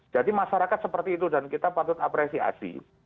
jadi masyarakat seperti itu dan kita patut apresiasi